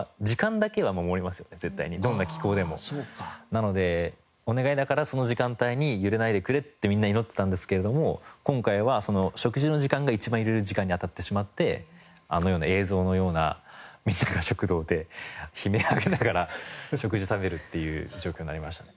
なのでお願いだからその時間帯に揺れないでくれってみんな祈ってたんですけれども今回は食事の時間が一番揺れる時間にあたってしまって映像のようなみんなが食堂で悲鳴上げながら食事を食べるっていう状況になりましたね。